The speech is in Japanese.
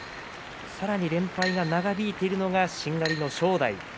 さらに連敗が長引いているのがしんがりの正代。